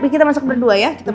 kita masak berdua ya